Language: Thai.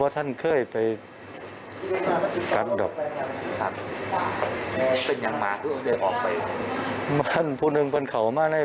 แล้วเอาดังงงง่าก็ได้